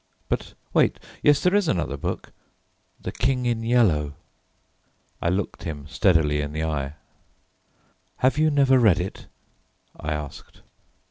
"But wait, yes, there is another book, The King in Yellow." I looked him steadily in the eye. "Have you never read it?" I asked.